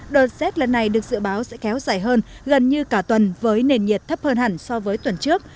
đợt rét lần này được dự báo sẽ kéo dài hơn gần như cả tuần với nền nhiệt thấp hơn hẳn so với tuần trước